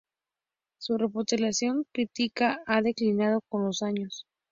Su reputación crítica ha declinado con los años.